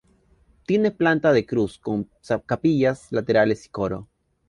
Tiene planta de cruz con capillas laterales y coro.